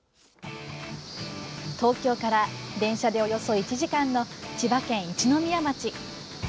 東京から電車でおよそ１時間の千葉県一宮町。